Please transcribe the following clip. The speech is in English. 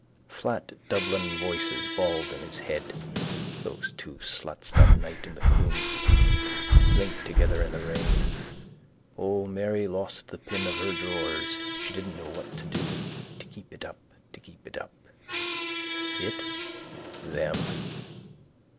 Flat Dublin voices bawled in his head. Those two sluts that night in the Coombe, linked together in the rain. O, Mairy lost the pin of her drawers. She didn't know what to do To keep it up, To keep it up. It? Them.